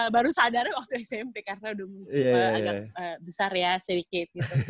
padahal waktu smp kakak udah agak besar ya sedikit gitu